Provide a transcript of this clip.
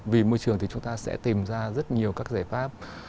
vì môi trường thì chúng ta sẽ tìm ra rất nhiều các giải pháp